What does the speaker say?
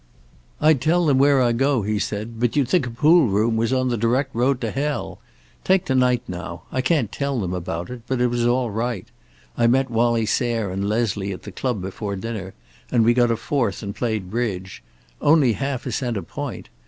"I'd tell them where I go," he said, "but you'd think a pool room was on the direct road to hell. Take to night, now. I can't tell them about it, but it was all right. I met Wallie Sayre and Leslie at the club before dinner, and we got a fourth and played bridge. Only half a cent a point.